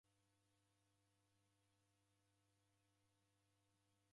Daw'iazighana habari.